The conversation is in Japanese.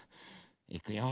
いくよ。